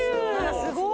すごーい！